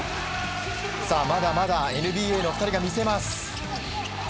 まだまだＮＢＡの２人が見せます。